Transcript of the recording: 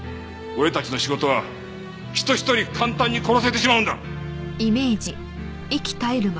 俺たちの仕事は人一人簡単に殺せてしまうんだ！